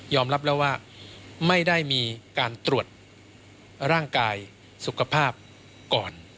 รับแล้วว่าไม่ได้มีการตรวจร่างกายสุขภาพก่อน